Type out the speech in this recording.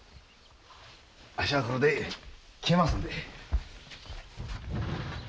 あっしはこれで消えますんで。